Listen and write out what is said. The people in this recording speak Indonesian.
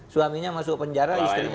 suaminya masuk penjara istrinya